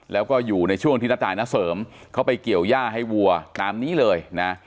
แล้วก็อยู่ในช่วงที่ณตายณเสริมเข้าไปเกี่ยวย่าให้วัวตามนี้เลยนะ